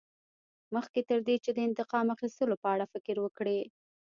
مخکې تر دې چې د انتقام اخیستلو په اړه فکر وکړې.